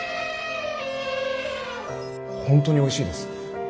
本当においしいです。